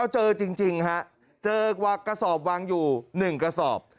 เจอจริงฮะเจอกระสอบวางอยู่๑กระสอบ